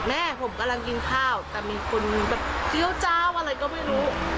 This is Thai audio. แม่ผมกำลังกินข้าวแต่มีคนแบบเจี้ยวเจ้าอะไรก็ไม่รู้